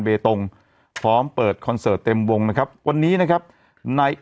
เบตงพร้อมเปิดคอนเสิร์ตเต็มวงนะครับวันนี้นะครับใน